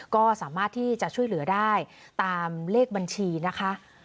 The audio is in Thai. ก็สามารถที่จะช่วยเหลือได้ตามเลขบัญชีนะคะ